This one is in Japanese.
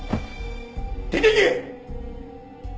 出ていけ！